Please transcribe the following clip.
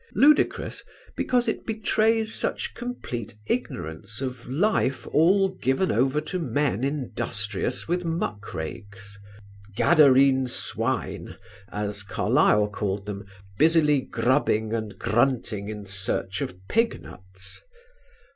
"Ludicrous" because it betrays such complete ignorance of life all given over to men industrious with muck rakes: "Gadarene swine," as Carlyle called them, "busily grubbing and grunting in search of pignuts."